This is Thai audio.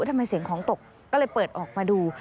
ทำไมเสียงของตกก็เลยเปิดออกมาดู